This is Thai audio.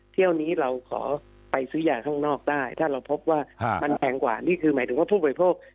เที่ยวนี้เราขอไปซื้อยาข้างนอกได้ถ้าเราพบว่ามันแพงกว่านี่คือหมายถึงว่าผู้บริโภค